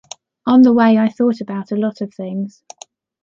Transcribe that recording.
On the way I thought about a lot of things.